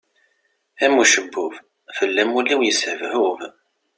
Am ucebbub, fell-am ul-iw yeshebhub.